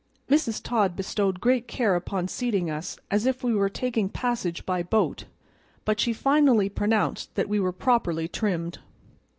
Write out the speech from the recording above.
Mrs. Todd bestowed great care upon seating us as if we were taking passage by boat, but she finally pronounced that we were properly trimmed.